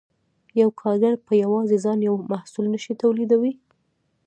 یو کارګر په یوازې ځان یو محصول نشي تولیدولی